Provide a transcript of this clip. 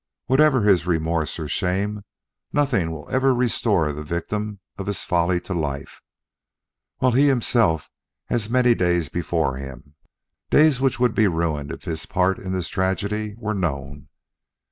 Whatever his remorse or shame, nothing will ever restore the victim of his folly to life, while he himself has many days before him days which would be ruined if his part in this tragedy were known.